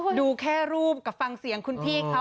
ดูแค่รูปกับฟังเสียงคุณพี่เขา